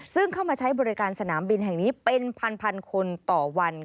ซึ่งเข้ามาใช้บริการสนามบินแห่งนี้เป็นพันคนต่อวัน